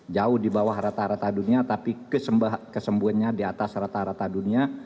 jauh di bawah rata rata dunia tapi kesembuhannya di atas rata rata dunia